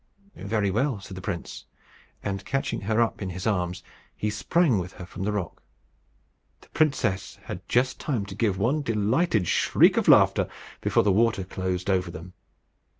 "Very well," said the prince; and, catching her up in his arms, he sprang with her from the rock. The princess had just time to give one delighted shriek of laughter before the water closed over them.